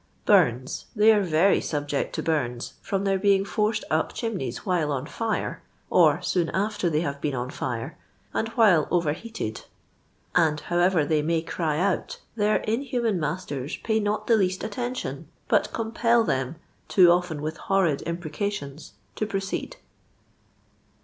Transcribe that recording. '• /iarfu. — They are very subject to bums, from thoir being forced up chimneys while on fire, or j K»»on after ihey have been on fire, and m'bile over heated ; and however they may cry out, their in I human masters pay not the least attention, but > compel them, too often with horrid imprecations, to proceed.